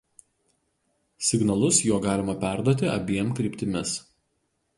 Signalus juo galima perduoti abiem kryptimis.